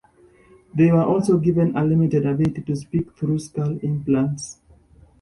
They were also given a limited ability to speak through skull implants.